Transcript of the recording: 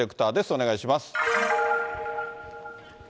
お願いします。